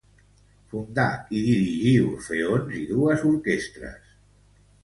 Fundà i dirigí orfeons i dues orquestres.